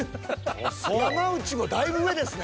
山内もだいぶ上ですね。